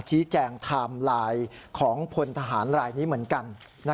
ชี้แจงไทม์ไลน์ของพลทหารรายนี้เหมือนกัน